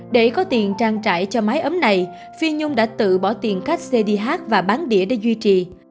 để có tiền trang trải cho máy ấm này phi nhung đã tự bỏ tiền khách xe đi hát và bán đĩa để duy trì